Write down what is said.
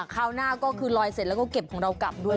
คราวหน้าก็คือลอยเสร็จแล้วก็เก็บของเรากลับด้วย